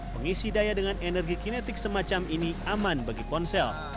pengisi daya dengan energi kinetik semacam ini aman bagi ponsel